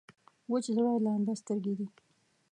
وچ زړه لانده سترګې دي.